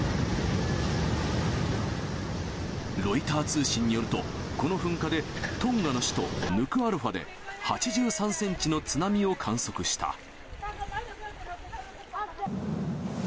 ロイター通信によると、この噴火でトンガの首都ヌクアロファで８３センチの津波を観測した。